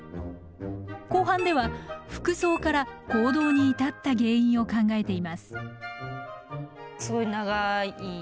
後半では服装から行動に至った原因を考えています。